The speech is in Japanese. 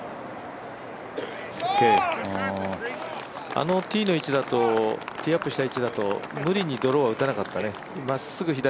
あのティーアップした位置だと無理にドローは打たなかったね。